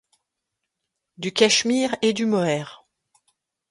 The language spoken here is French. du cachemire et du mohair.